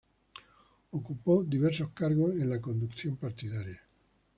Ocupó diversos cargos en la conducción partidaria.